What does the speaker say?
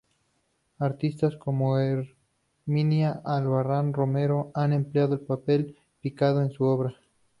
Artistas como Herminia Albarrán Romero, han empleado el papel picado en su obra.